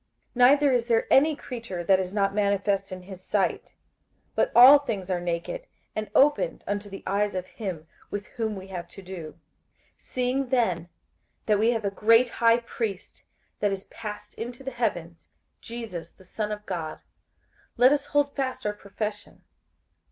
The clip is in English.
58:004:013 Neither is there any creature that is not manifest in his sight: but all things are naked and opened unto the eyes of him with whom we have to do. 58:004:014 Seeing then that we have a great high priest, that is passed into the heavens, Jesus the Son of God, let us hold fast our profession.